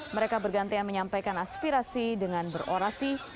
mereka bergantian menyampaikan aspirasi dengan berorasi